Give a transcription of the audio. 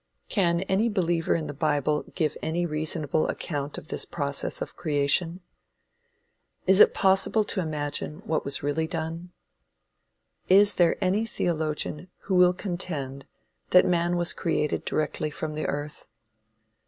Can any believer in the bible give any reasonable account of this process of creation? Is it possible to imagine what was really done? Is there any theologian who will contend that man was created directly from the earth?